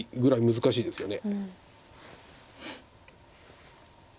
難しいですよね。